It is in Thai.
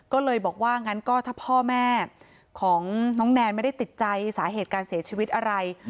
ก็เลยบอกว่างั้นก็ถ้าพ่อแม่ของน้องแนนไม่ได้ติดใจสาเหตุการเสียชีวิตอะไร